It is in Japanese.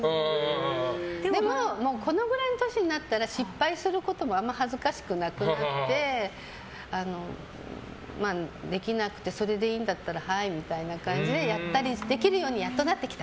でもこのぐらいの年になったら失敗することもあまり恥ずかしくなくなってできなくてそれでいいんだったらはいみたいな感じでやったりできるようにやっとなってきた。